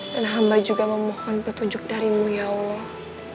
dan hamba juga memohon petunjuk darimu ya allah